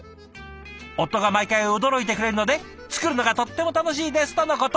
「夫が毎回驚いてくれるので作るのがとっても楽しいです」とのこと。